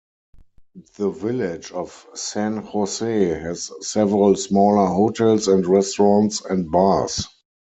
The village of San Jose has several smaller hotels and restaurants and bars.